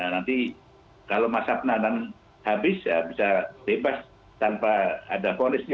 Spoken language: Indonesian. nanti kalau masa penahanan habis bisa lepas tanpa ada polis